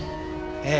ええ。